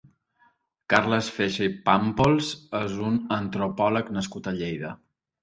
Carles Feixa i Pàmpols és un antropòleg nascut a Lleida.